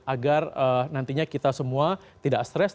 agar nantinya kita semua tidak stres